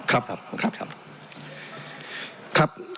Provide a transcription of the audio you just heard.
ครับครับครับ